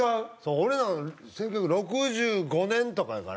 俺のは１９６５年とかやからもう。